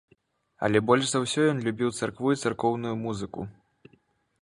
Але больш за ўсё ён любіў царкву і царкоўную музыку.